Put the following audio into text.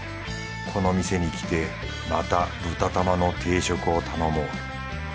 この店に来てまた豚玉の定食を頼もう。